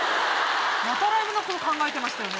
またライブのこと考えてましたね。